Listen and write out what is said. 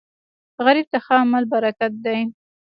غریب ته ښه عمل برکت دی